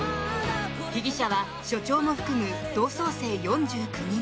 被疑者は署長も含む同窓生４９人。